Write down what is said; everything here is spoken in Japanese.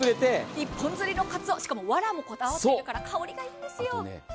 １本釣りのカツオ藁もこだわっているから香りがいいんです。